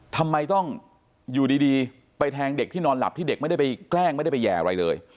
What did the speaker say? ทำไมต้องอยู่ดีไปแทงเด็กที่นอนหลับที่เด็กไม่ได้ไปแกล้งไม่ได้ไปแย่อะไรเลย